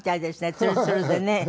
ツルツルでね。